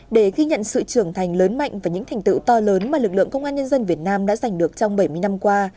để ghi nhận sự trưởng thành lớn mạnh và những thành tựu to lớn mà lực lượng công an nhân dân việt nam đã giành được trong bảy mươi năm qua